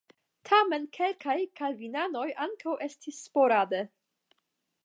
Tamen kelkaj kalvinanoj ankaŭ estis sporade.